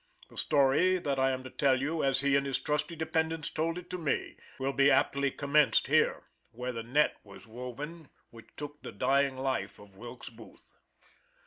The story that I am to tell you, as he and his trusty dependents told it to me, will be aptly commenced here, where the net was woven which took the dying life of Wilkes Booth.